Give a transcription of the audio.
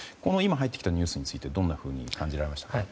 今入ってきたニュースに対してどんなふうに感じられましたか？